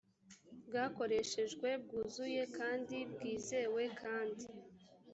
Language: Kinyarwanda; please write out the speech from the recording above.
bwakoreshejwe bwuzuye kandi bwizewe kandi